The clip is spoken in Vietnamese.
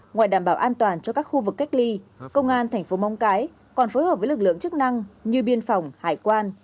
ngoài đảm bảo an toàn cho các khu vực cách ly công an thành phố móng cái còn phối hợp với lực lượng chức năng như biên phòng hải quan